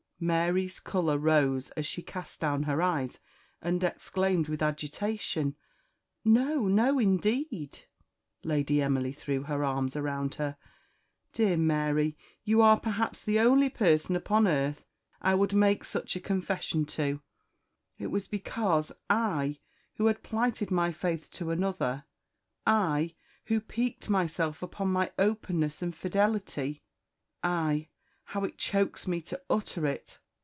Mary's colour rose, as she cast down her eyes, and exclaimed with agitation, "No no, indeed!" Lady Emily threw her arms around her: "Dear Mary, you are perhaps the only person upon earth I would make such a confession to it was because I, who had plighted my faith to another I, who piqued myself upon my openness and fidelity I how it chokes me to utter it!